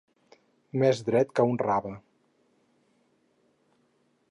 Més dret que un rave.